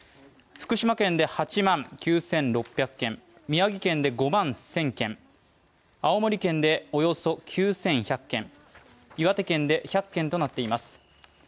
福島県で８万９６００件、宮城県で５万１０００件青森県でおよそ９１００軒、岩手県で１００軒となっています。